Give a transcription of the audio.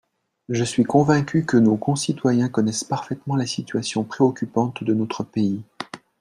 Je suis convaincu que nos concitoyens connaissent parfaitement la situation préoccupante de notre pays.